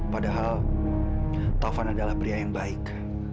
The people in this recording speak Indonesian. padahal taufan adalah pria yang baik